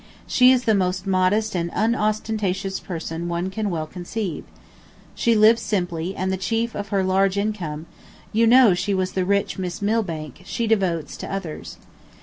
She is the most modest and unostentatious person one can well conceive. She lives simply, and the chief of her large income (you know she was the rich Miss Milbank) she devotes to others.